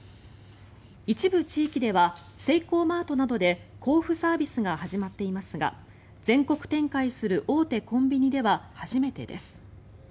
一部地域ではセイコーマートなどで交付サービスが始まっていますが全国展開する大手コンビニでは初めてです。